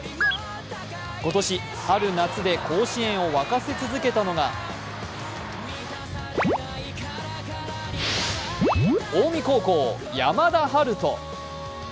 今年、春・夏で甲子園を沸かし続けたのが近江高校、山田陽翔。